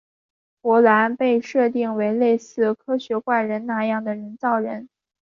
芙兰被设定为类似科学怪人那样的人造人。